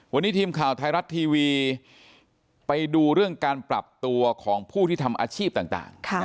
วันนี้ทีมข่าวไทยรัฐทีวีไปดูเรื่องการปรับตัวของผู้ที่ทำอาชีพต่าง